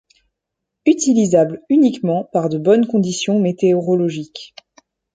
Utilisable uniquement par de bonnes conditions météorologiques.